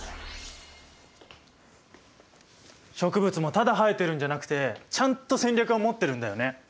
植物もただ生えてるんじゃなくてちゃんと戦略を持ってるんだよね。